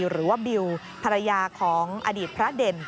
หรือว่าบิวภรรยาของอดีตพระเด่น